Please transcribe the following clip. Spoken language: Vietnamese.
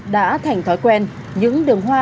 đã thành thói quen những đường hoa